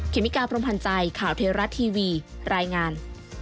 เมกาพรมพันธ์ใจข่าวเทราะทีวีรายงาน